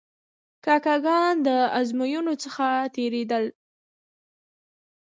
کاکه ګان د آزموینو څخه تیرېدل.